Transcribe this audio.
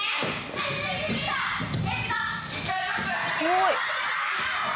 すごい。